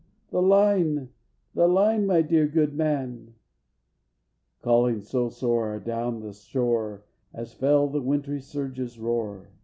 The line, the line, my dear good man!" (Calling so sore adown the shore, As fell the wintry surge's roar.)